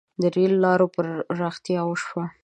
• د رېل لارو پراختیا وشوه.